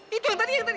itu yang tadi yang tadi